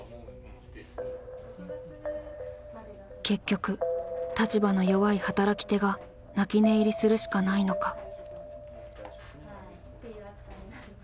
結局立場の弱い働き手が泣き寝入りするしかないのか。